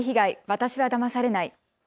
私はだまされない。